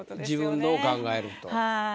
自分のを考えると。